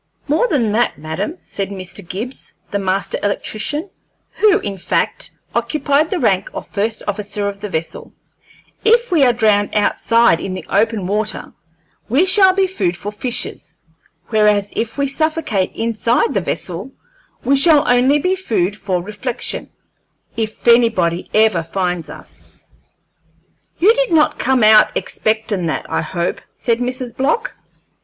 "More than that, madam," said Mr. Gibbs, the Master Electrician, who, in fact, occupied the rank of first officer of the vessel; "if we are drowned outside in the open water we shall be food for fishes, whereas if we suffocate inside the vessel we shall only be food for reflection, if anybody ever finds us." "You did not come out expectin' that, I hope?" said Mrs. Block.